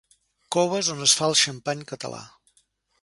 Coves on es fa el xampany català.